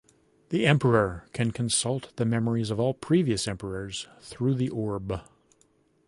The Emperor can consult the memories of all previous emperors through the Orb.